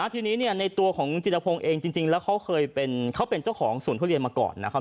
ทีนี้ในตัวของเงินจิตภงเองจริงแล้วเขาเคยเป็นเขาเป็นเจ้าของศูนย์ท่วิทยาลัยมาก่อน